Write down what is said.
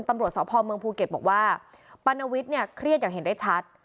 ตำรวจสพเมืองภูเก็ตบอกว่าปานวิทย์เนี่ยเครียดอย่างเห็นได้ชัด